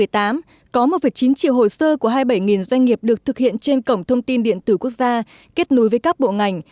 trong năm hai nghìn một mươi tám có một chín triệu hồ sơ của hai mươi bảy doanh nghiệp được thực hiện trên cổng thông tin điện tử quốc gia kết nối với các bộ ngành